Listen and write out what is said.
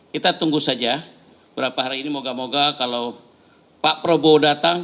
kita tunggu saja beberapa hari ini moga moga kalau pak prabowo datang